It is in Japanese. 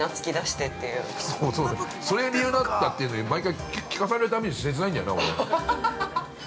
◆ちょっと待ってそれが理由だったっていうの毎回、聞かされるたびに切ないんだよね、俺。